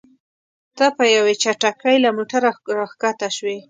ته په یوې چټکۍ له موټره راښکته شوې.